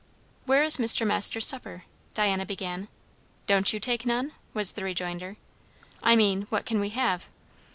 "Where is Mr. Masters' supper?" Diana began. "Don't you take none?" was the rejoinder. "I mean, what can we have?"